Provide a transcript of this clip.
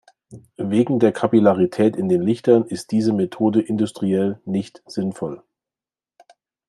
Wegen der Kapillarität in den Lichtern ist dieses Methode industriell nicht sinnvoll.